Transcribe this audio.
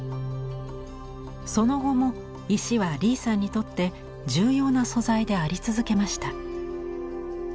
その後も石は李さんにとって重要な素材であり続けました。